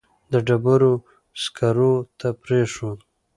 د ډبرو سکرو ته پرېښود.